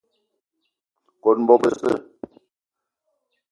Kone bo besse